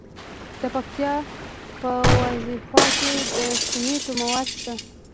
د پکتیکا په وازیخوا کې د سمنټو مواد شته.